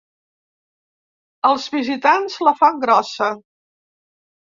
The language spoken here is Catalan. Els visitants la fan grossa.